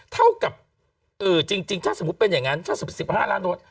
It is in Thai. เท่ากับจริงถ้าสมมุติเป็นอย่างนั้นถ้า๑๕ล้านโดส